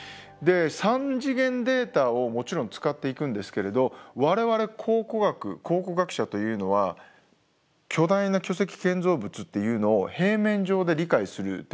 ３次元データをもちろん使っていくんですけれど我々考古学考古学者というのは巨大な巨石建造物っていうのを平面上で理解するというのが基本になってます。